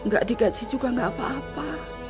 gak digaji juga gak apa apa